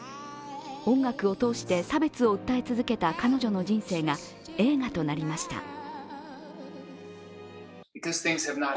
音楽を通して差別を訴え続けた彼女の人生が映画となりました。